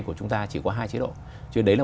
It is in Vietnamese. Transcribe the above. của chúng ta chỉ có hai chế độ cho nên đấy là